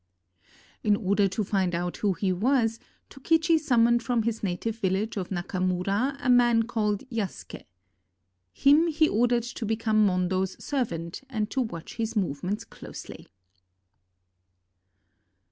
In order to find out who he was, Tokichi summoned from his native village of. Nakamura a man called Yasuke. Him he ordered to become Mondo's servant and to watch his movements closely.